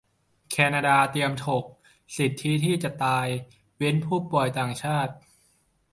แคนาดาเตรียมถก "สิทธิที่จะตาย" เว้นผู้ป่วยต่างชาติ